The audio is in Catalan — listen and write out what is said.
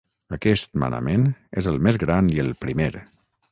Aquest manament és el més gran i el primer.